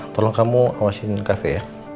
tolong kamu awasin kafe ya